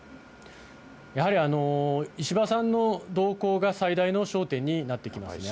やはり石破さんの動向が最大の焦点になってきます。